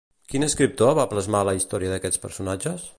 Quin escriptor va plasmar la història d'aquests personatges?